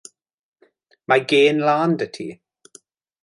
Mae gên lân 'da ti.